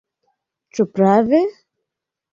Ĉu prave?